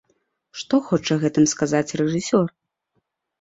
Што хоча гэтым сказаць рэжысёр?